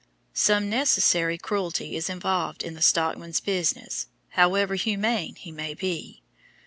Some "necessary" cruelty is involved in the stockman's business, however humane he may be.